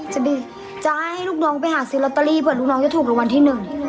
จะให้ลูกน้องไปหาซื้อรอตเตอรี่เผื่อลูกน้องจะถูกรวัลที่๑